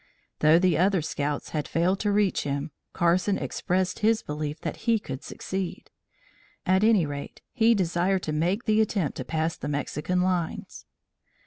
Though the other scouts had failed to reach him, Carson expressed his belief that he could succeed. At any rate, he desired to make the attempt to pass the Mexican lines.